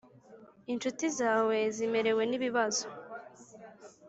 incuti zawe zimerewe n ibibazo